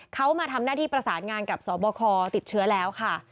เขามาทำหน้าที่ประสานงานกับสบคติดเชื้อแล้วค่ะ